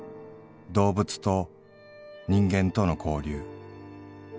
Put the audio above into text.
動物と人間との交流。